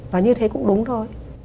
và như thế cũng đúng thôi